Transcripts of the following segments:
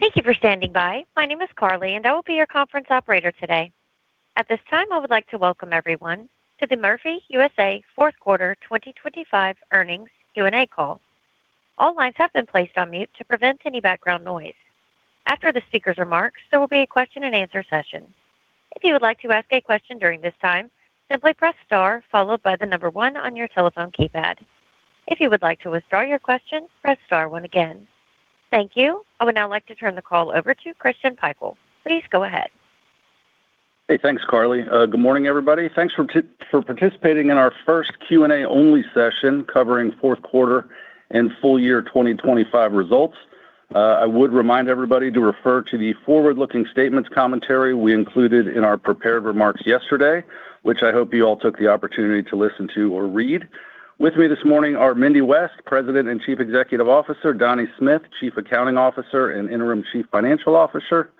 Thank you for standing by. My name is Carly, and I will be your conference operator today. At this time, I would like to welcome everyone to the Murphy USA fourth quarter 2025 earnings Q&A call. All lines have been placed on mute to prevent any background noise. After the speaker's remarks, there will be a question-and-answer session. If you would like to ask a question during this time, simply press star followed by the number one on your telephone keypad. If you would like to withdraw your question, press star one again. Thank you. I would now like to turn the call over to Christian Pikul. Please go ahead. Hey, thanks, Carly. Good morning, everybody. Thanks for participating in our first Q&A-only session covering fourth quarter and full year 2025 results. I would remind everybody to refer to the forward-looking statements commentary we included in our prepared remarks yesterday, which I hope you all took the opportunity to listen to or read. With me this morning are Mindy West, President and Chief Executive Officer; Donnie Smith, Chief Accounting Officer and Interim Chief Financial Officer;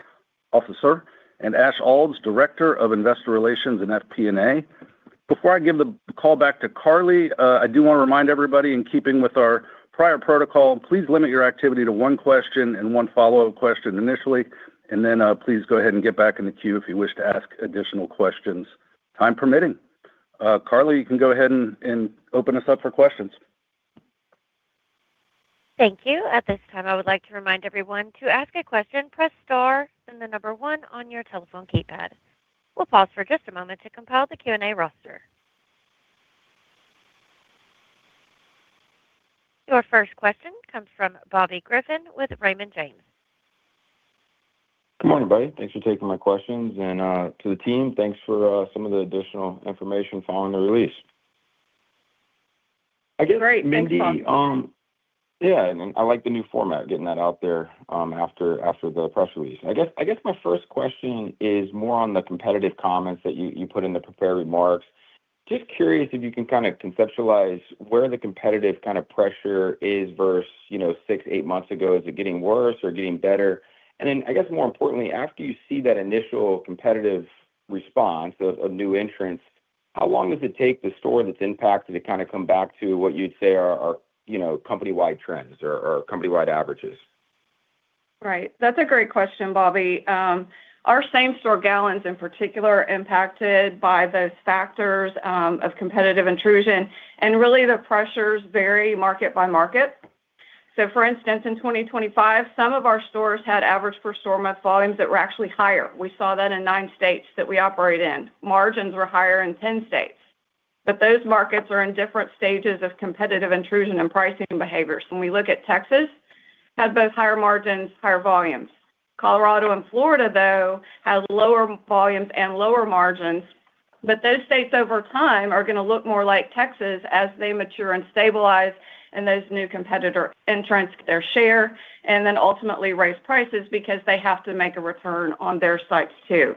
and Ash Aulds, Director of Investor Relations and FP&A. Before I give the call back to Carly, I do wanna remind everybody, in keeping with our prior protocol, please limit your activity to one question and one follow-up question initially, and then, please go ahead and get back in the queue if you wish to ask additional questions, time permitting. Carly, you can go ahead and open us up for questions. Thank you. At this time, I would like to remind everyone to ask a question, press star and the number one on your telephone keypad. We'll pause for just a moment to compile the Q&A roster. Your first question comes from Bobby Griffin with Raymond James. Good morning, buddy. Thanks for taking my questions. To the team, thanks for some of the additional information following the release. I guess, Mindy, yeah, and I like the new format, getting that out there, after, after the press release. I guess, I guess my first question is more on the competitive comments that you, you put in the prepared remarks. Just curious if you can kinda conceptualize where the competitive kinda pressure is versus, you know, 6, 8 months ago. Is it getting worse or getting better? And then, I guess more importantly, after you see that initial competitive response of, of new entrants, how long does it take the store that's impacted to kinda come back to what you'd say are, are, you know, company-wide trends or, or company-wide averages? Right. That's a great question, Bobby. Our same-store gallons in particular are impacted by those factors, of competitive intrusion. And really, the pressures vary market by market. So, for instance, in 2025, some of our stores had average per-store-month volumes that were actually higher. We saw that in nine states that we operate in. Margins were higher in 10 states. But those markets are in different stages of competitive intrusion and pricing behaviors. When we look at Texas, it had both higher margins, higher volumes. Colorado and Florida, though, had lower volumes and lower margins. But those states, over time, are gonna look more like Texas as they mature and stabilize in those new competitor entrants. Their share and then ultimately raise prices because they have to make a return on their sites too.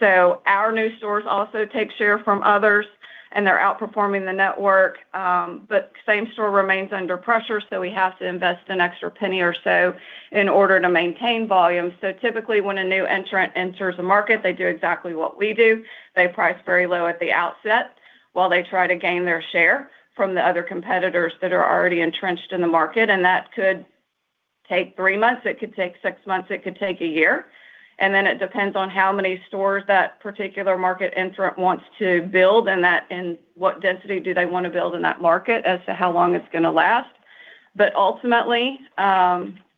So our new stores also take share from others, and they're outperforming the network. But same-store remains under pressure, so we have to invest an extra penny or so in order to maintain volumes. So typically, when a new entrant enters a market, they do exactly what we do. They price very low at the outset while they try to gain their share from the other competitors that are already entrenched in the market. And that could take three months. It could take six months. It could take a year. And then it depends on how many stores that particular market entrant wants to build and that and what density do they wanna build in that market as to how long it's gonna last. But ultimately,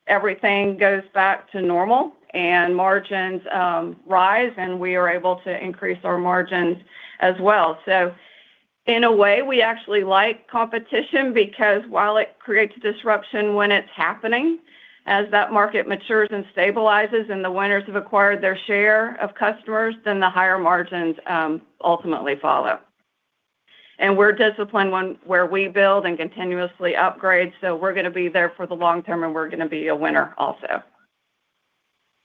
everything goes back to normal, and margins rise, and we are able to increase our margins as well. In a way, we actually like competition because while it creates disruption when it's happening, as that market matures and stabilizes and the winners have acquired their share of customers, then the higher margins ultimately follow. We're disciplined in when and where we build and continuously upgrade, so we're gonna be there for the long term, and we're gonna be a winner also.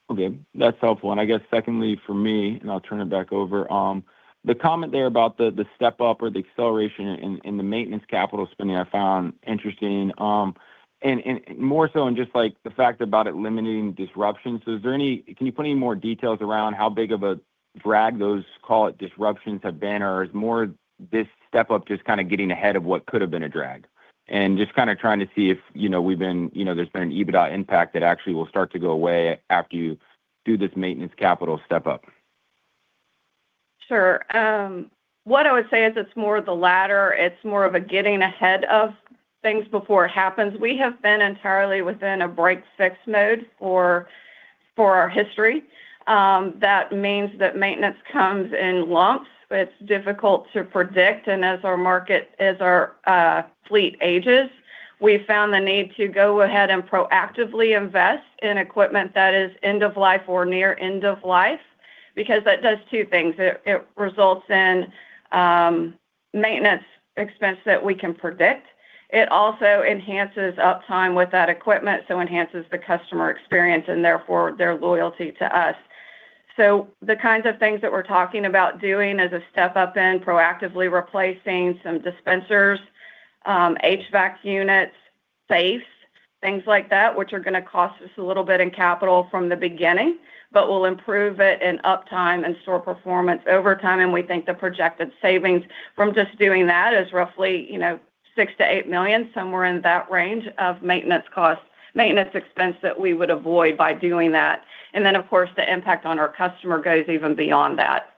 Okay. That's helpful. And I guess secondly, for me, and I'll turn it back over, the comment there about the step-up or the acceleration in the maintenance capital spending I found interesting, and more so in just, like, the fact about it limiting disruptions. So, can you put any more details around how big of a drag those, call it, disruptions have been, or is more this step-up just kinda getting ahead of what could have been a drag and just kinda trying to see if, you know, we've been, you know, there's been an EBITDA impact that actually will start to go away after you do this maintenance capital step-up? Sure. What I would say is it's more the latter. It's more of a getting ahead of things before it happens. We have been entirely within a break-fix mode for our history. That means that maintenance comes in lumps. It's difficult to predict. And as our fleet ages, we found the need to go ahead and proactively invest in equipment that is end-of-life or near end-of-life because that does two things. It results in maintenance expense that we can predict. It also enhances uptime with that equipment, so enhances the customer experience and therefore their loyalty to us. So the kinds of things that we're talking about doing as a step-up in proactively replacing some dispensers, HVAC units, safes, things like that, which are gonna cost us a little bit in capital from the beginning but will improve it in uptime and store performance over time. And we think the projected savings from just doing that is roughly, you know, $6 million-$8 million, somewhere in that range of maintenance cost maintenance expense that we would avoid by doing that. And then, of course, the impact on our customer goes even beyond that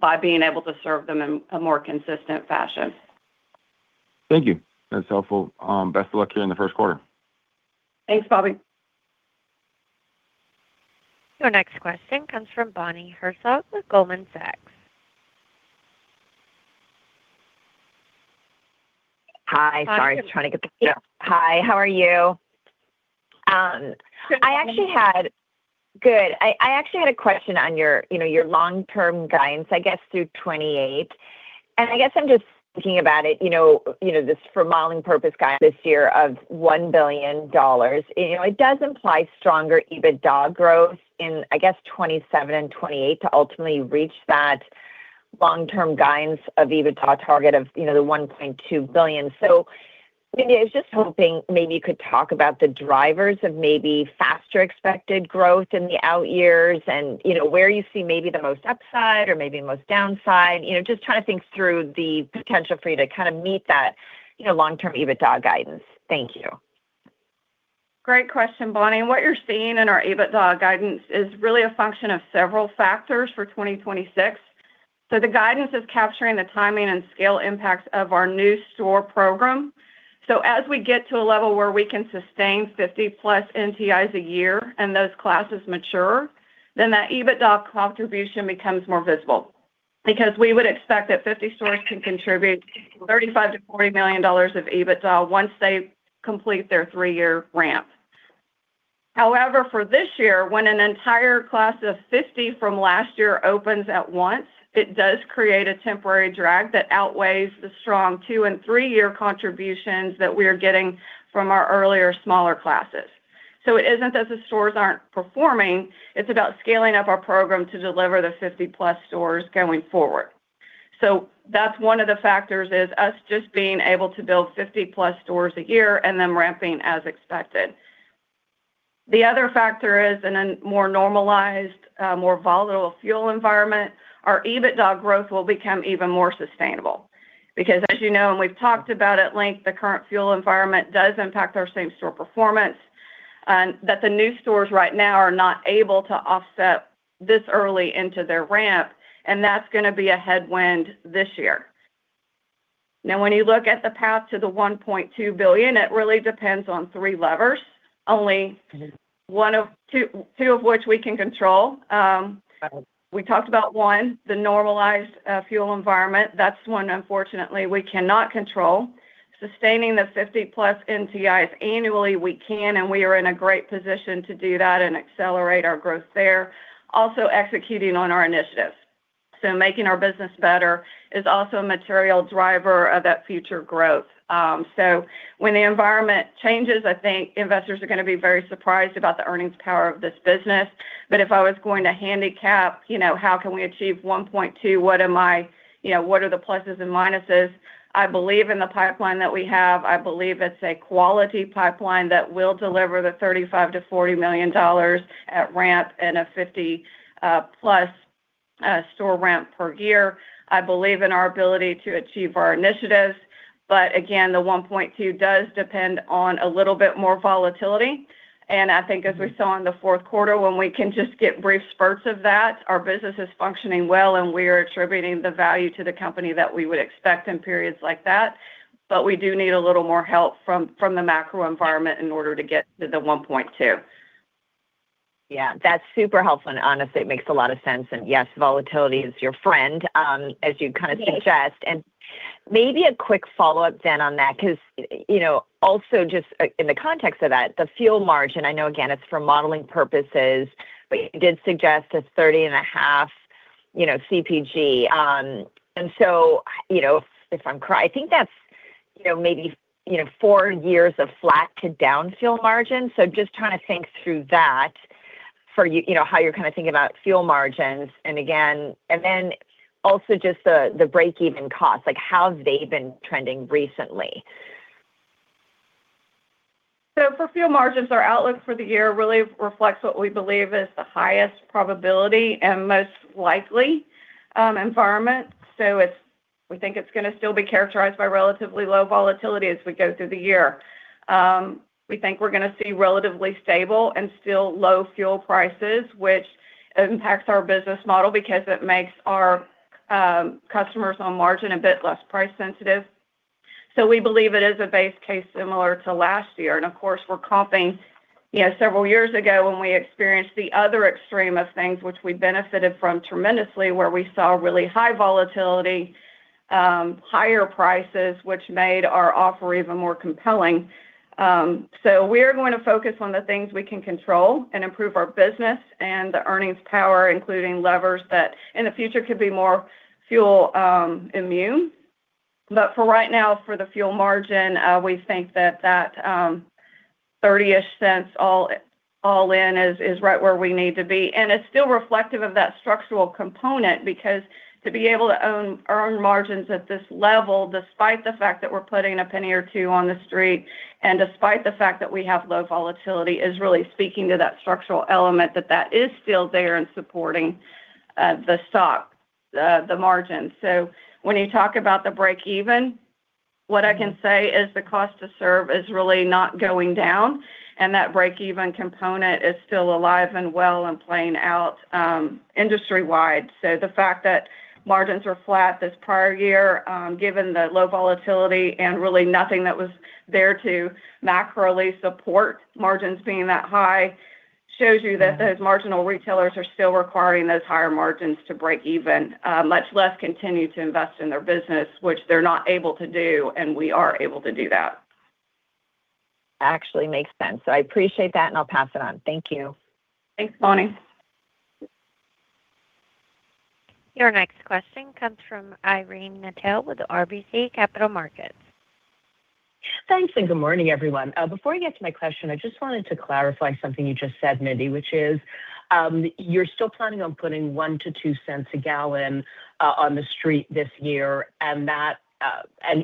by being able to serve them in a more consistent fashion. Thank you. That's helpful. Best of luck here in the first quarter. Thanks, Bobby. Your next question comes from Bonnie Herzog with Goldman Sachs. Hi. Sorry. Hi. Hi. How are you? Actually, I had good. I actually had a question on your, you know, your long-term guidance, I guess, through 2028. And I guess I'm just thinking about it, you know, you know, this for modeling purpose guide this year of $1 billion. You know, it does imply stronger EBITDA growth in, I guess, 2027 and 2028 to ultimately reach that long-term guidance of EBITDA target of, you know, the $1.2 billion. So, Mindy, I was just hoping maybe you could talk about the drivers of maybe faster expected growth in the out-years and, you know, where you see maybe the most upside or maybe the most downside, you know, just trying to think through the potential for you to kinda meet that, you know, long-term EBITDA guidance. Thank you. Great question, Bonnie. What you're seeing in our EBITDA guidance is really a function of several factors for 2026. The guidance is capturing the timing and scale impacts of our new store program. As we get to a level where we can sustain 50+ NTIs a year and those classes mature, then that EBITDA contribution becomes more visible because we would expect that 50 stores can contribute $35 million-$40 million of EBITDA once they complete their three-year ramp. However, for this year, when an entire class of 50 from last year opens at once, it does create a temporary drag that outweighs the strong two and three-year contributions that we are getting from our earlier smaller classes. It isn't that the stores aren't performing. It's about scaling up our program to deliver the 50-plus stores going forward. So that's one of the factors is us just being able to build 50-plus stores a year and then ramping as expected. The other factor is in a more normalized, more volatile fuel environment, our EBITDA growth will become even more sustainable because, as you know, and we've talked about at length, the current fuel environment does impact our same-store performance and that the new stores right now are not able to offset this early into their ramp, and that's gonna be a headwind this year. Now, when you look at the path to the $1.2 billion, it really depends on three levers, only one of two, two of which we can control. We talked about one, the normalized, fuel environment. That's one, unfortunately, we cannot control. Sustaining the 50+ NTIs annually, we can, and we are in a great position to do that and accelerate our growth there, also executing on our initiatives. So making our business better is also a material driver of that future growth. So when the environment changes, I think investors are gonna be very surprised about the earnings power of this business. But if I was going to handicap, you know, how can we achieve 1.2? What am I, you know, what are the pluses and minuses? I believe in the pipeline that we have. I believe it's a quality pipeline that will deliver the $35 million-$40 million at ramp and a 50+ store ramp per year. I believe in our ability to achieve our initiatives. But again, the 1.2 does depend on a little bit more volatility. I think, as we saw in the fourth quarter, when we can just get brief spurts of that, our business is functioning well, and we are attributing the value to the company that we would expect in periods like that. But we do need a little more help from the macro environment in order to get to the 1.2. Yeah. That's super helpful and, honestly, it makes a lot of sense. And yes, volatility is your friend, as you kinda. Right. Suggest. And maybe a quick follow-up then on that 'cause, you know, also just, in the context of that, the fuel margin, I know, again, it's for modeling purposes, but you did suggest a 30.5, you know, CPG. And so, you know, if, if I'm correct, I think that's, you know, maybe, you know, 4 years of flat to down fuel margin. So just trying to think through that for you, you know, how you're kinda thinking about fuel margins. And again, and then also just the, the break-even cost, like, how have they been trending recently? So for fuel margins, our outlook for the year really reflects what we believe is the highest probability and most likely environment. So it's we think it's gonna still be characterized by relatively low volatility as we go through the year. We think we're gonna see relatively stable and still low fuel prices, which impacts our business model because it makes our customers on margin a bit less price-sensitive. So we believe it is a base case similar to last year. And of course, we're comping, you know, several years ago when we experienced the other extreme of things, which we benefited from tremendously, where we saw really high volatility, higher prices, which made our offer even more compelling. So we are going to focus on the things we can control and improve our business and the earnings power, including levers that in the future could be more fuel immune. But for right now, for the fuel margin, we think that $0.30-ish all-in is right where we need to be. And it's still reflective of that structural component because to be able to earn margins at this level, despite the fact that we're putting $0.01 or $0.02 on the street and despite the fact that we have low volatility, is really speaking to that structural element that is still there and supporting the margins. So when you talk about the break-even, what I can say is the cost to serve is really not going down, and that break-even component is still alive and well and playing out, industry-wide. So the fact that margins were flat this prior year, given the low volatility and really nothing that was there to macro-ly support margins being that high, shows you that those marginal retailers are still requiring those higher margins to break even, much less continue to invest in their business, which they're not able to do. And we are able to do that. Actually makes sense. So I appreciate that, and I'll pass it on. Thank you. Thanks, Bonnie. Your next question comes from Irene Nattel with RBC Capital Markets. Thanks. Good morning, everyone. Before I get to my question, I just wanted to clarify something you just said, Mindy, which is, you're still planning on putting 1-2 cents/gallon on the street this year. And that,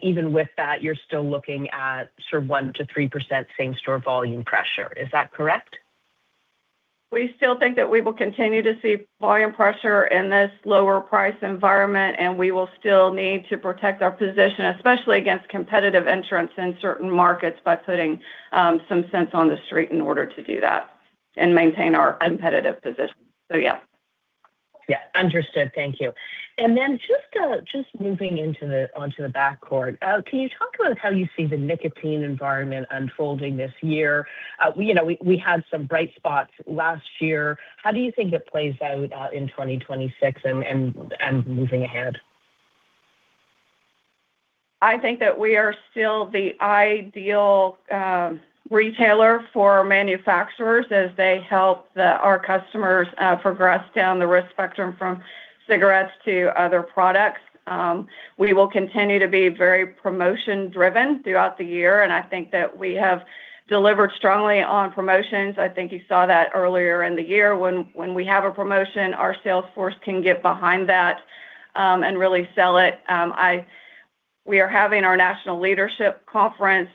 even with that, you're still looking at sort of 1%-3% same-store volume pressure. Is that correct? We still think that we will continue to see volume pressure in this lower-price environment, and we will still need to protect our position, especially against competitive entrants in certain markets, by putting some cents on the street in order to do that and maintain our. Right. Competitive position. So yeah. Yeah. Understood. Thank you. And then just moving on to the back half, can you talk about how you see the nicotine environment unfolding this year? We, you know, we had some bright spots last year. How do you think it plays out in 2026 and moving ahead? I think that we are still the ideal retailer for manufacturers as they help our customers progress down the risk spectrum from cigarettes to other products. We will continue to be very promotion-driven throughout the year. I think that we have delivered strongly on promotions. I think you saw that earlier in the year. When we have a promotion, our sales force can get behind that and really sell it. We are having our national leadership conference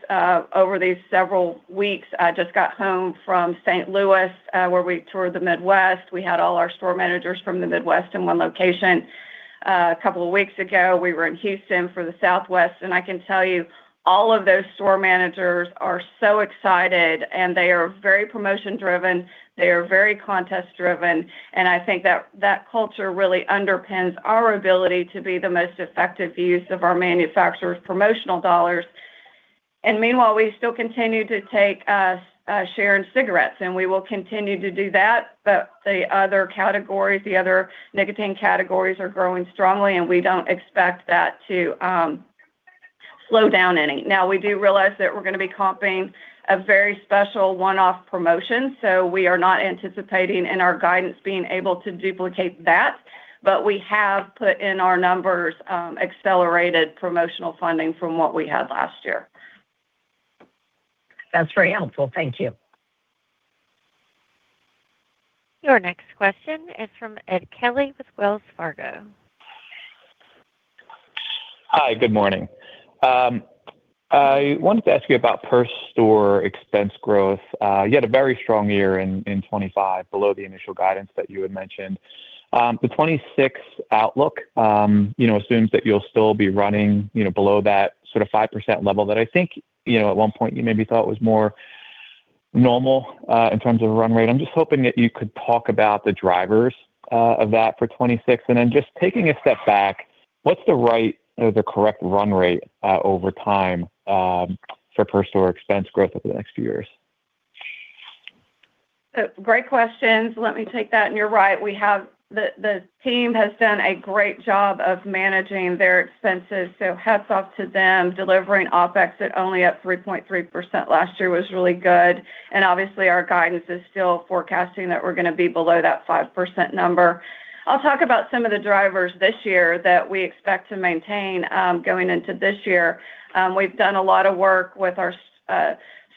over these several weeks. I just got home from St. Louis, where we toured the Midwest. We had all our store managers from the Midwest in one location, a couple of weeks ago. We were in Houston for the Southwest. I can tell you, all of those store managers are so excited, and they are very promotion-driven. They are very contest-driven. And I think that, that culture really underpins our ability to be the most effective use of our manufacturer's promotional dollars. And meanwhile, we still continue to take share in cigarettes. And we will continue to do that. But the other categories, the other nicotine categories, are growing strongly, and we don't expect that to slow down any. Now, we do realize that we're gonna be comping a very special one-off promotion. So we are not anticipating in our guidance being able to duplicate that. But we have put in our numbers accelerated promotional funding from what we had last year. That's very helpful. Thank you. Your next question is from Ed Kelly with Wells Fargo. Hi. Good morning. I wanted to ask you about per-store expense growth. You had a very strong year in 2025 below the initial guidance that you had mentioned. The 2026 outlook, you know, assumes that you'll still be running, you know, below that sort of 5% level that I think, you know, at one point, you maybe thought was more normal, in terms of run rate. I'm just hoping that you could talk about the drivers of that for 2026. And then just taking a step back, what's the right or the correct run rate, over time, for per-store expense growth over the next few years? Great questions. Let me take that. And you're right. We have the team has done a great job of managing their expenses. So hats off to them. Delivering OpEx at only 3.3% last year was really good. And obviously, our guidance is still forecasting that we're gonna be below that 5% number. I'll talk about some of the drivers this year that we expect to maintain, going into this year. We've done a lot of work with our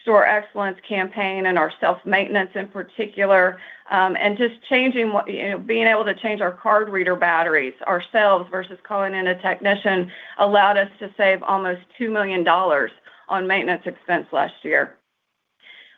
Store Excellence campaign and our self-maintenance in particular, and just changing, you know, being able to change our card reader batteries ourselves versus calling in a technician allowed us to save almost $2 million on maintenance expense last year.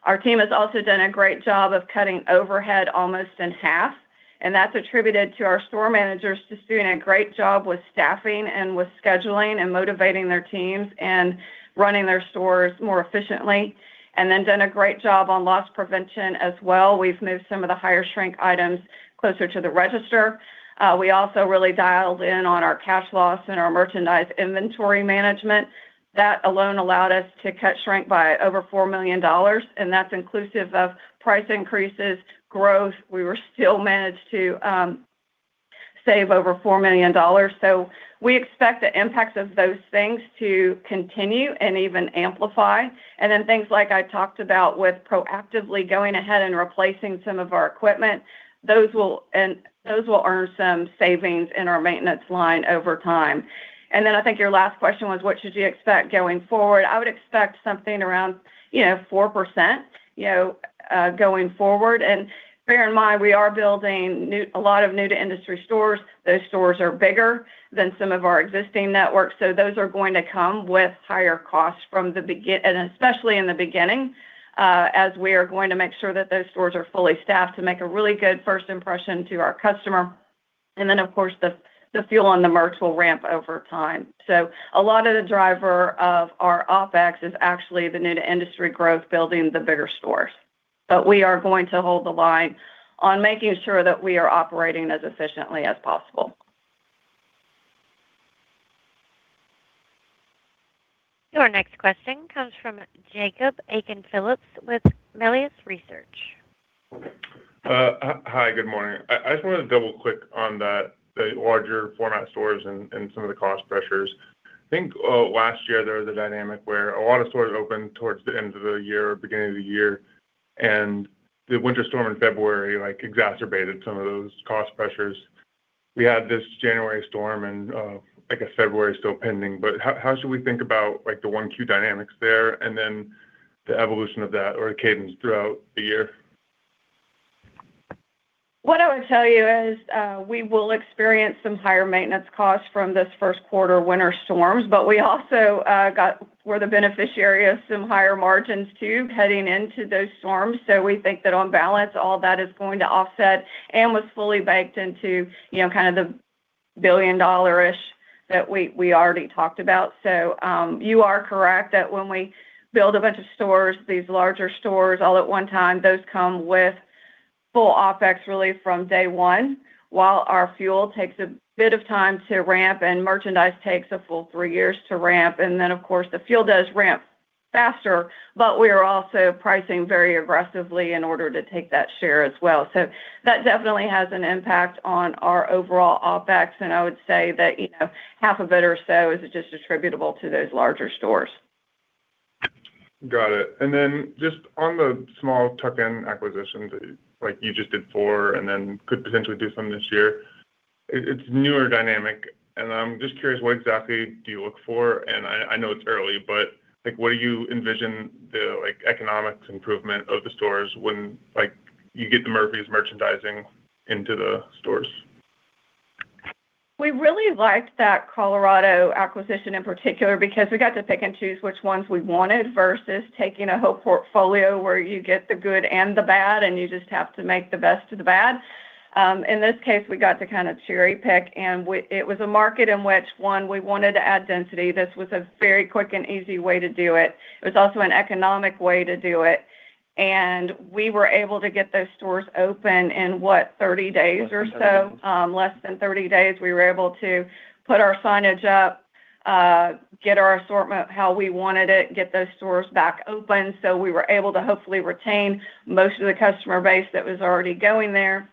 Our team has also done a great job of cutting overhead almost in half. That's attributed to our store managers just doing a great job with staffing and with scheduling and motivating their teams and running their stores more efficiently, and they've done a great job on loss prevention as well. We've moved some of the higher-shrink items closer to the register. We also really dialed in on our cash loss and our merchandise inventory management. That alone allowed us to cut shrink by over $4 million. That's inclusive of price increases, growth. We still managed to save over $4 million. So we expect the impacts of those things to continue and even amplify. Then things like I talked about with proactively going ahead and replacing some of our equipment; those will earn some savings in our maintenance line over time. Then I think your last question was, what should you expect going forward? I would expect something around, you know, 4%, you know, going forward. And bear in mind, we are building a lot of new-to-industry stores. Those stores are bigger than some of our existing networks. So those are going to come with higher costs from the beginning and especially in the beginning, as we are going to make sure that those stores are fully staffed to make a really good first impression to our customer. And then, of course, the fuel and the merch will ramp over time. So a lot of the driver of our OpEx is actually the new-to-industry growth building the bigger stores. But we are going to hold the line on making sure that we are operating as efficiently as possible. Your next question comes from Jacob Aiken-Phillips with Melius Research. Hi. Good morning. I just wanted to double-click on that, the larger-format stores and some of the cost pressures. I think, last year, there was a dynamic where a lot of stores opened towards the end of the year, beginning of the year. And the winter storm in February, like, exacerbated some of those cost pressures. We had this January storm, and I guess February is still pending. But how should we think about, like, the 1Q dynamics there and then the evolution of that or the cadence throughout the year? What I would tell you is, we will experience some higher maintenance costs from this first quarter winter storms. But we also were the beneficiaries of some higher margins too heading into those storms. So we think that, on balance, all that is going to offset and was fully baked into, you know, kind of the $1 billion-ish that we, we already talked about. So, you are correct that when we build a bunch of stores, these larger stores, all at one time, those come with full OpEx really from day one while our fuel takes a bit of time to ramp and merchandise takes a full three years to ramp. And then, of course, the fuel does ramp faster. But we are also pricing very aggressively in order to take that share as well. So that definitely has an impact on our overall OpEx. I would say that, you know, half of it or so is just attributable to those larger stores. Got it. And then just on the small tuck-in acquisitions that you like, you just did four and then could potentially do some this year, it's a newer dynamic. And I'm just curious, what exactly do you look for? And I know it's early, but, like, what do you envision the, like, economic improvement of the stores when, like, you get the Murphy's merchandising into the stores? We really liked that Colorado acquisition in particular because we got to pick and choose which ones we wanted versus taking a whole portfolio where you get the good and the bad, and you just have to make the best of the bad. In this case, we got to kind of cherry-pick. And it was a market in which, one, we wanted to add density. This was a very quick and easy way to do it. It was also an economic way to do it. And we were able to get those stores open in, what, 30 days or so. More than 30 days. less than 30 days. We were able to put our signage up, get our assortment how we wanted it, get those stores back open. So we were able to hopefully retain most of the customer base that was already going there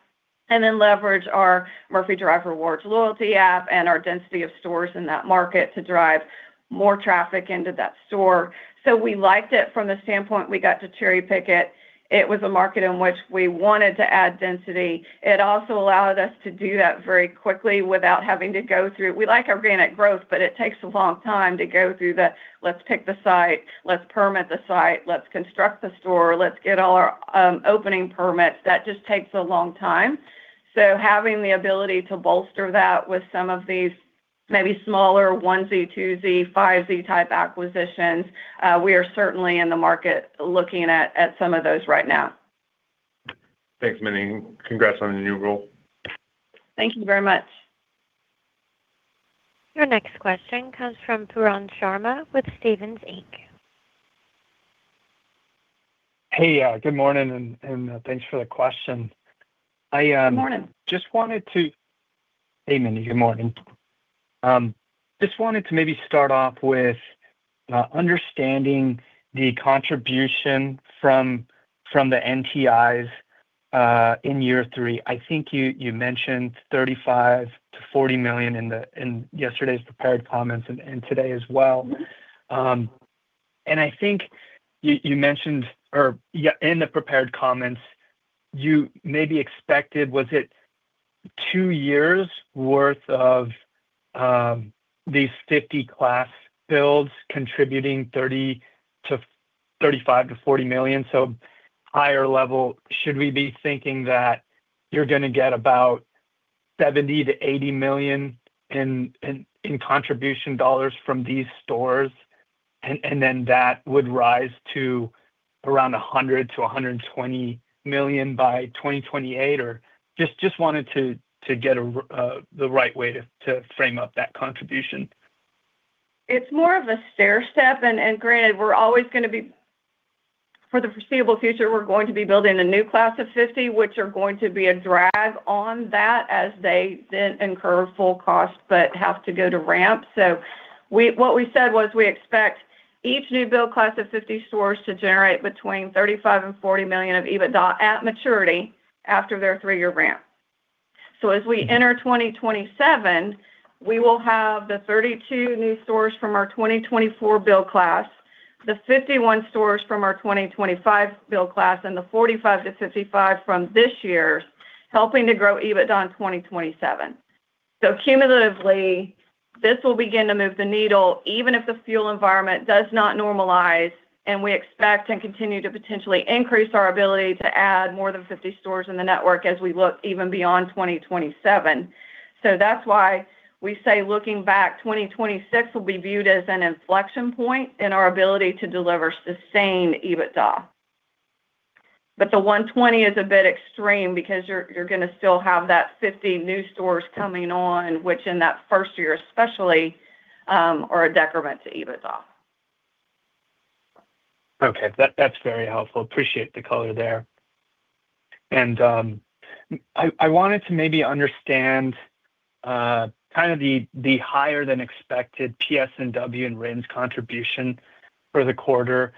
and then leverage our Murphy Drive Rewards loyalty app and our density of stores in that market to drive more traffic into that store. So we liked it from the standpoint we got to cherry-pick it. It was a market in which we wanted to add density. It also allowed us to do that very quickly without having to go through we like organic growth, but it takes a long time to go through the, "Let's pick the site. Let's permit the site. Let's construct the store. Let's get all our, opening permits." That just takes a long time. Having the ability to bolster that with some of these maybe smaller onesie, twosie, fivesie-type acquisitions, we are certainly in the market looking at some of those right now. Thanks, Mindy. Congrats on the new role. Thank you very much. Your next question comes from Pooran Sharma with Stephens Inc. Hey, good morning. Thanks for the question. I, Good morning. Just wanted to hey, Mindy. Good morning. Just wanted to maybe start off with understanding the contribution from the NTIs in year three. I think you mentioned $35 million-$40 million in yesterday's prepared comments and today as well. And I think you mentioned or yeah, in the prepared comments, you maybe expected was it two years' worth of these 50-class builds contributing $30 million to $35 million to $40 million? So higher level, should we be thinking that you're gonna get about $70 million-$80 million in contribution dollars from these stores? And then that would rise to around $100 million-$120 million by 2028 or just wanted to get the right way to frame up that contribution. It's more of a stairstep. And granted, we're always gonna be for the foreseeable future, we're going to be building a new class of 50, which are going to be a drag on that as they then incur full cost but have to go to ramp. So what we said was we expect each new build class of 50 stores to generate between $35 million and $40 million of EBITDA at maturity after their three-year ramp. So as we enter 2027, we will have the 32 new stores from our 2024 build class, the 51 stores from our 2025 build class, and the 45-55 from this year helping to grow EBITDA in 2027. So cumulatively, this will begin to move the needle even if the fuel environment does not normalize. We expect and continue to potentially increase our ability to add more than 50 stores in the network as we look even beyond 2027. That's why we say looking back, 2026 will be viewed as an inflection point in our ability to deliver sustained EBITDA. The 120 is a bit extreme because you're gonna still have that 50 new stores coming on, which in that first year especially, are a decrement to EBITDA. Okay. That's very helpful. Appreciate the color there. And I wanted to maybe understand kind of the higher-than-expected PS&W and RINs contribution for the quarter.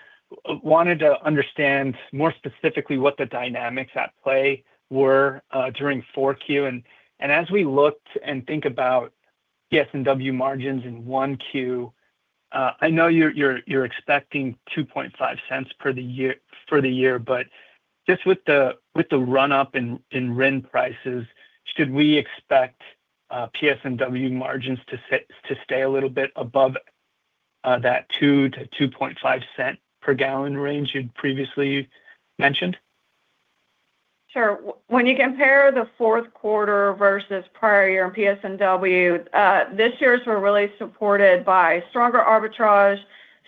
Wanted to understand more specifically what the dynamics at play were during 4Q. And as we look and think about PS&W margins in 1Q, I know you're expecting $0.025 per gallon for the year. But just with the run-up in RIN prices, should we expect PS&W margins to stay a little bit above that $0.02-$0.025 per gallon range you'd previously mentioned? Sure. When you compare the fourth quarter versus prior year in PS&W, this year's were really supported by stronger arbitrage,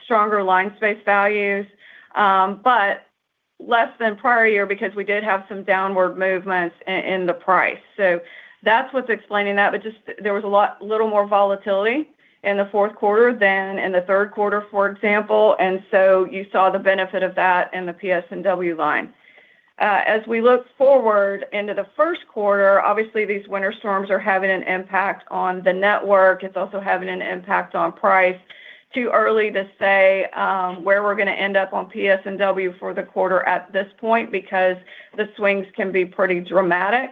stronger line-space values, but less than prior year because we did have some downward movements in the price. So that's what's explaining that. But there was a little more volatility in the fourth quarter than in the third quarter, for example. And so you saw the benefit of that in the PS&W line. As we look forward into the first quarter, obviously, these winter storms are having an impact on the network. It's also having an impact on price. Too early to say where we're gonna end up on PS&W for the quarter at this point because the swings can be pretty dramatic.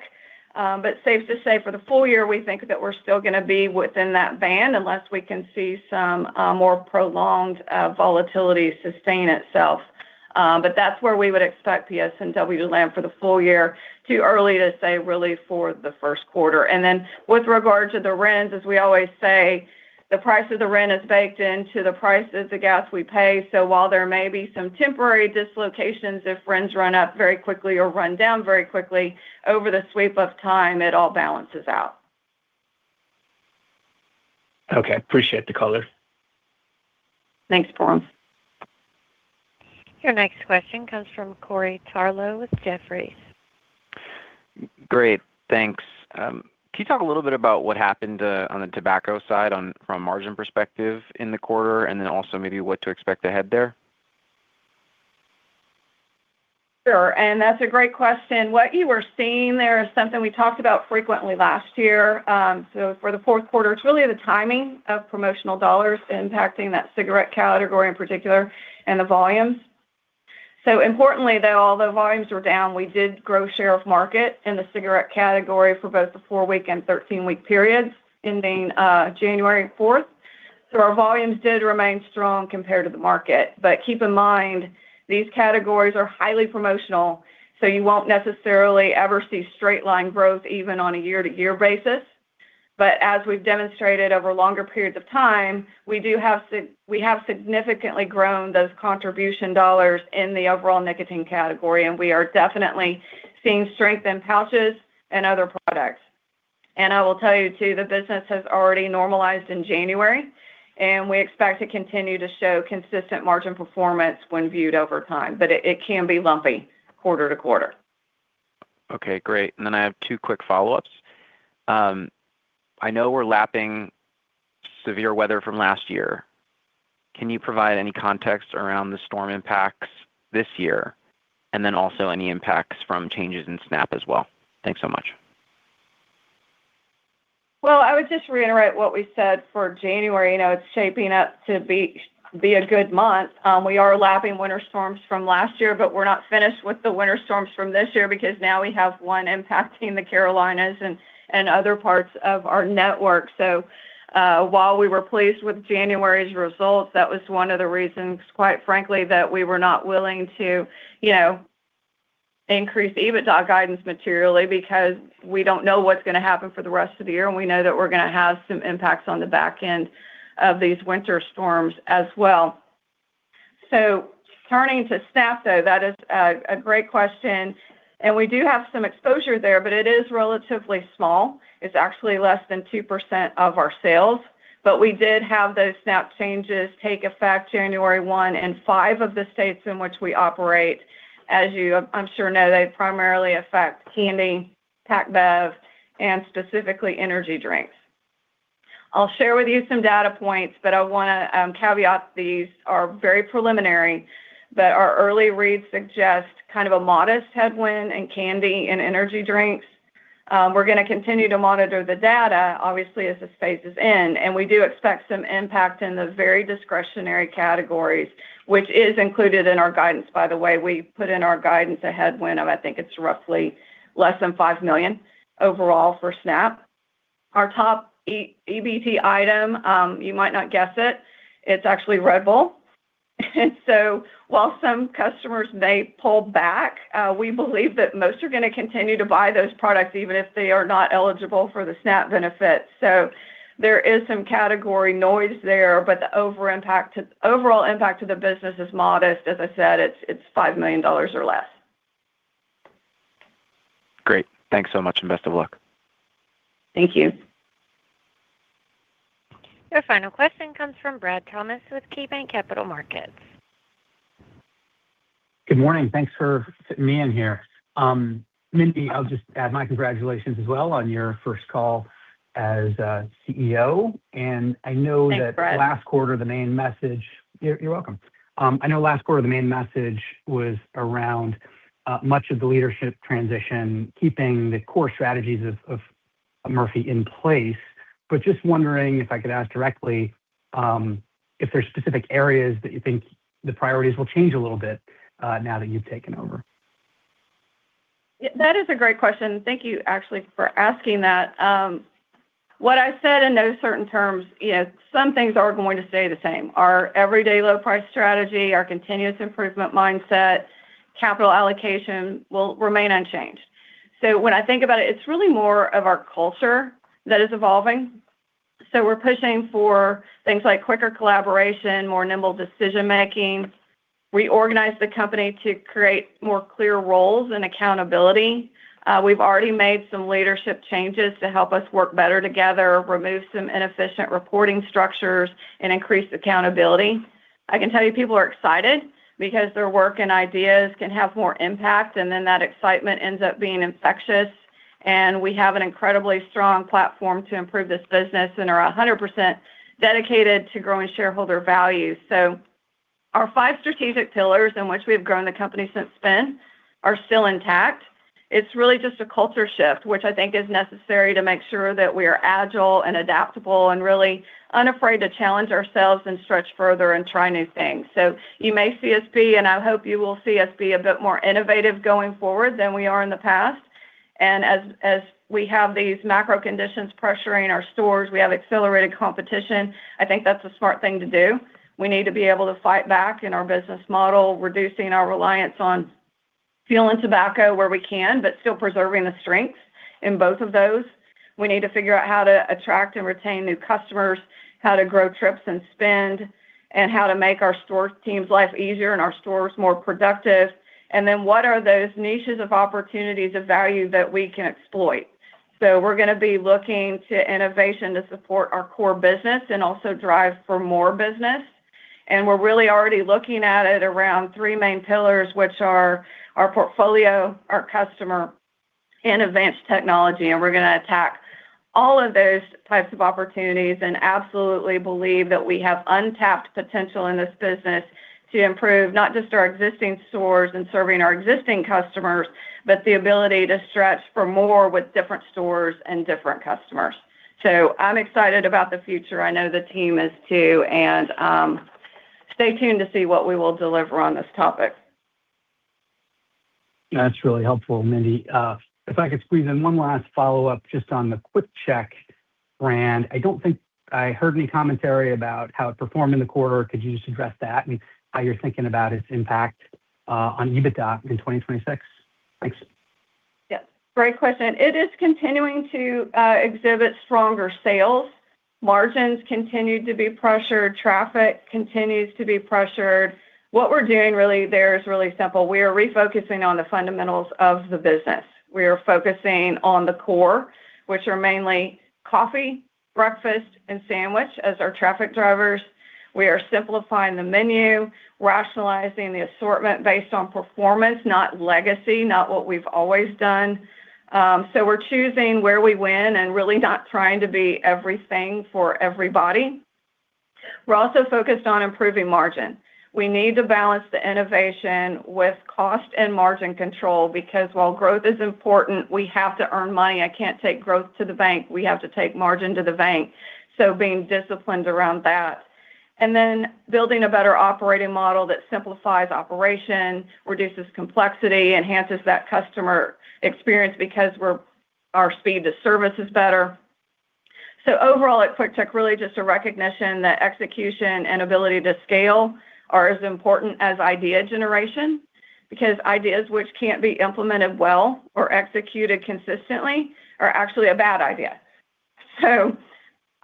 But safe to say for the full year, we think that we're still gonna be within that band unless we can see some more prolonged volatility sustain itself. But that's where we would expect PS&W to land for the full year. Too early to say really for the first quarter. And then with regard to the RINs, as we always say, the price of the RIN is baked into the price of the gas we pay. So while there may be some temporary dislocations if RINs run up very quickly or run down very quickly, over the sweep of time, it all balances out. Okay. Appreciate the color. Thanks, Pooran. Your next question comes from Corey Tarlowe with Jefferies. Great. Thanks. Can you talk a little bit about what happened, on the tobacco side on from a margin perspective in the quarter and then also maybe what to expect ahead there? Sure. And that's a great question. What you were seeing there is something we talked about frequently last year. So for the fourth quarter, it's really the timing of promotional dollars impacting that cigarette category in particular and the volumes. So importantly, though, although volumes were down, we did grow share of market in the cigarette category for both the 4-week and 13-week periods ending January 4th. So our volumes did remain strong compared to the market. But keep in mind, these categories are highly promotional. So you won't necessarily ever see straight-line growth even on a year-to-year basis. But as we've demonstrated over longer periods of time, we do have we have significantly grown those contribution dollars in the overall nicotine category. And we are definitely seeing strength in pouches and other products. And I will tell you too, the business has already normalized in January. We expect to continue to show consistent margin performance when viewed over time. It can be lumpy quarter to quarter. Okay. Great. And then I have two quick follow-ups. I know we're lapping severe weather from last year. Can you provide any context around the storm impacts this year and then also any impacts from changes in SNAP as well? Thanks so much. Well, I would just reiterate what we said for January. You know, it's shaping up to be a good month. We are lapping winter storms from last year, but we're not finished with the winter storms from this year because now we have one impacting the Carolinas and other parts of our network. So, while we were pleased with January's results, that was one of the reasons, quite frankly, that we were not willing to, you know, increase EBITDA guidance materially because we don't know what's gonna happen for the rest of the year. And we know that we're gonna have some impacts on the back end of these winter storms as well. So turning to SNAP, though, that is a great question. And we do have some exposure there, but it is relatively small. It's actually less than 2% of our sales. But we did have those SNAP changes take effect January 1 in five of the states in which we operate. As you, I'm sure, know, they primarily affect candy, Pack Bev, and specifically energy drinks. I'll share with you some data points, but I wanna caveat these are very preliminary. But our early reads suggest kind of a modest headwind in candy and energy drinks. We're gonna continue to monitor the data, obviously, as this phases in. And we do expect some impact in the very discretionary categories, which is included in our guidance, by the way. We put in our guidance a headwind of, I think it's roughly less than $5 million overall for SNAP. Our top EBT item, you might not guess it. It's actually Red Bull. And so while some customers may pull back, we believe that most are gonna continue to buy those products even if they are not eligible for the SNAP benefits. So there is some category noise there, but the over-impact to the overall impact to the business is modest. As I said, it's, it's $5 million or less. Great. Thanks so much, and best of luck. Thank you. Your final question comes from Brad Thomas with KeyBanc Capital Markets. Good morning. Thanks for fitting me in here. Mindy, I'll just add my congratulations as well on your first call as CEO. And I know that. Thanks, Brad. Last quarter, the main message was around much of the leadership transition, keeping the core strategies of Murphy in place. But just wondering if I could ask directly, if there's specific areas that you think the priorities will change a little bit, now that you've taken over. Yeah. That is a great question. Thank you, actually, for asking that. What I said in those certain terms, you know, some things are going to stay the same. Our everyday low-price strategy, our continuous improvement mindset, capital allocation will remain unchanged. So when I think about it, it's really more of our culture that is evolving. So we're pushing for things like quicker collaboration, more nimble decision-making, reorganize the company to create more clear roles and accountability. We've already made some leadership changes to help us work better together, remove some inefficient reporting structures, and increase accountability. I can tell you people are excited because their work and ideas can have more impact. And then that excitement ends up being infectious. And we have an incredibly strong platform to improve this business and are 100% dedicated to growing shareholder value. So our five strategic pillars in which we have grown the company since then are still intact. It's really just a culture shift, which I think is necessary to make sure that we are agile and adaptable and really unafraid to challenge ourselves and stretch further and try new things. So you may see us be, and I hope you will see us be a bit more innovative going forward than we are in the past. And as we have these macro conditions pressuring our stores, we have accelerated competition. I think that's a smart thing to do. We need to be able to fight back in our business model, reducing our reliance on fuel and tobacco where we can but still preserving the strengths in both of those. We need to figure out how to attract and retain new customers, how to grow trips and spend, and how to make our store team's life easier and our stores more productive. And then what are those niches of opportunities of value that we can exploit? We're gonna be looking to innovation to support our core business and also drive for more business. We're really already looking at it around three main pillars, which are our portfolio, our customer, and advanced technology. We're gonna attack all of those types of opportunities and absolutely believe that we have untapped potential in this business to improve not just our existing stores and serving our existing customers but the ability to stretch for more with different stores and different customers. I'm excited about the future. I know the team is too. Stay tuned to see what we will deliver on this topic. That's really helpful, Mindy. If I could squeeze in one last follow-up just on the QuickChek brand. I don't think I heard any commentary about how it performed in the quarter. Could you just address that and how you're thinking about its impact on EBITDA in 2026? Thanks. Yes. Great question. It is continuing to exhibit stronger sales. Margins continue to be pressured. Traffic continues to be pressured. What we're doing really there is really simple. We are refocusing on the fundamentals of the business. We are focusing on the core, which are mainly coffee, breakfast, and sandwich as our traffic drivers. We are simplifying the menu, rationalizing the assortment based on performance, not legacy, not what we've always done. So we're choosing where we win and really not trying to be everything for everybody. We're also focused on improving margin. We need to balance the innovation with cost and margin control because while growth is important, we have to earn money. I can't take growth to the bank. We have to take margin to the bank. So being disciplined around that. And then building a better operating model that simplifies operation, reduces complexity, enhances that customer experience because our speed to service is better. So overall, at QuickChek, really just a recognition that execution and ability to scale are as important as idea generation because ideas which can't be implemented well or executed consistently are actually a bad idea. So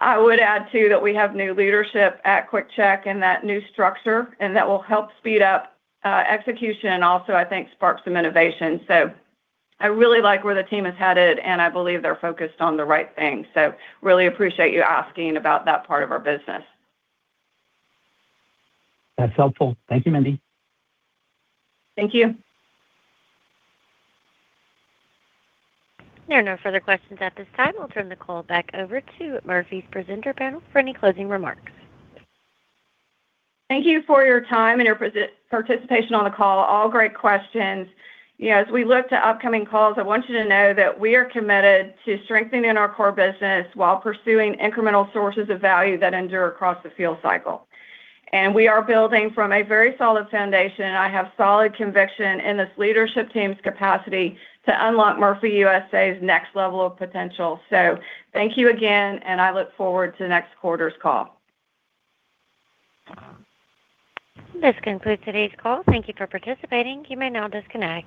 I would add too that we have new leadership at QuickChek and that new structure. And that will help speed up execution and also, I think, sparks some innovation. So I really like where the team is headed. And I believe they're focused on the right thing. So really appreciate you asking about that part of our business. That's helpful. Thank you, Mindy. Thank you. There are no further questions at this time. We'll turn the call back over to Murphy's presenter panel for any closing remarks. Thank you for your time and your participation on the call. All great questions. You know, as we look to upcoming calls, I want you to know that we are committed to strengthening our core business while pursuing incremental sources of value that endure across the fuel cycle. We are building from a very solid foundation. I have solid conviction in this leadership team's capacity to unlock Murphy USA's next level of potential. Thank you again. I look forward to next quarter's call. This concludes today's call. Thank you for participating. You may now disconnect.